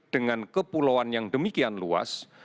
dengan kepulauan yang demikian luas